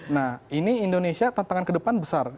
nah ini indonesia tantangan ke depan besar